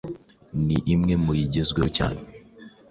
ni imwe mu yigezweho cyane